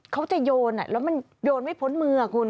เขาจะโยนแล้วมันโยนไม่พ้นมือคุณ